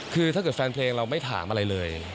คือถ้าเกิดแฟนเพลงเราไม่ถามอะไรเลย